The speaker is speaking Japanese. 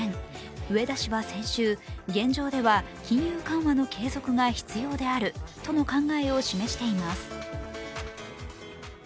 植田氏は先週、現状では金融緩和の継続が必要であるとの考えを示しています。